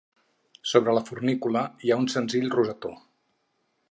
Sobre la fornícula hi ha un senzill rosetó.